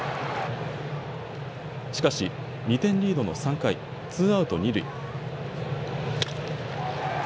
しかし、２点リードの３回、ツーアウト二塁。